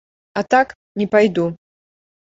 А так, не пайду.